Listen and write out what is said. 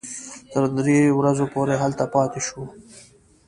تر درې ورځو پورې هلته پاتې شوو.